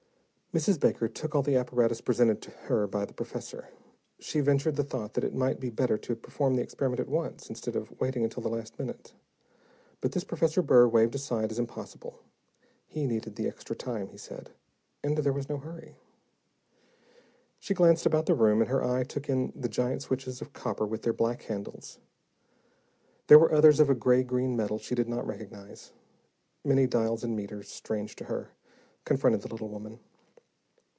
Mrs. Baker took all the apparatus presented her by the professor. She ventured the thought that it might be better to perform the experiment at once, instead of waiting until the last minute, but this Professor Burr waved aside as impossible. He needed the extra time, he said, and there was no hurry. She glanced about the room, and her eye took in the giant switches of copper with their black handles; there were others of a gray green metal she did not recognize. Many dials and meters, strange to her, confronted the little woman.